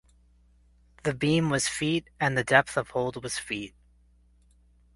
The beam was feet and the depth of hold was feet.